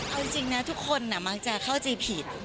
เอาจริงนะทุกคนมักจะเข้าใจผิด